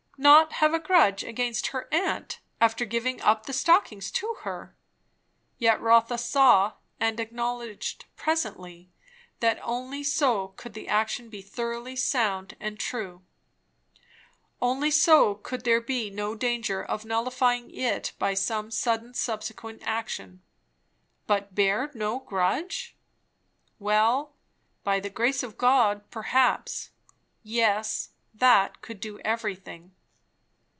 Not have a grudge against her aunt, after giving up the stockings to her? Yet Rotha saw and acknowledged presently that only so could the action be thoroughly sound and true; only so could there be no danger of nullifying it by some sudden subsequent action. But bear no grudge? Well, by the grace of God, perhaps. Yes, that could do everything.